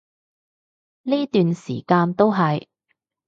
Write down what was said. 呢段時間都係